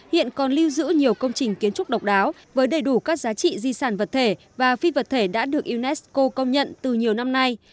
hiện còn lưu giữ nhiều công trình kiến trúc độc đáo với đầy đủ các giá trị di sản vật thể và phi vật thể đã được unesco công nhận từ nhiều năm nay